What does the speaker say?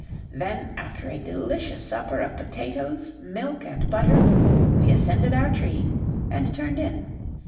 Then, after a delicious supper of potatoes, milk, and butter, we ascended our tree and turned in.